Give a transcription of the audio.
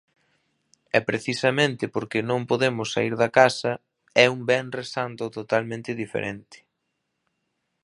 E precisamente porque non podemos saír da casa, é un Venres Santo totalmente diferente.